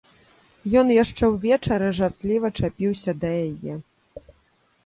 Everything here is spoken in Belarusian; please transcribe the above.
Ён яшчэ ўвечары жартліва чапіўся да яе.